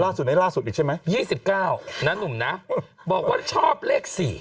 ล่าสุดไหนล่าสุดอีกใช่ไหมยี่สิบเก้านั้นหนุ่มน่ะบอกว่าชอบเลขสี่